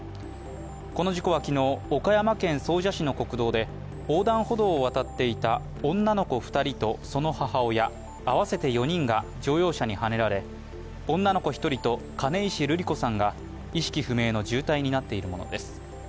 この事故は昨日、岡山県総社市の国道で横断歩道を渡っていた女の子２人とその母親、合わせて４人が乗用車にはねられ、女の子１人と金石ルリ子さんが意識不明の重体になっているものです。